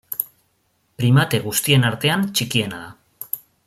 Primate guztien artean txikiena da.